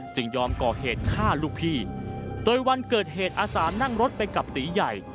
ยอมก่อเหตุฆ่าลูกพี่โดยวันเกิดเหตุอาสานั่งรถไปกับตีใหญ่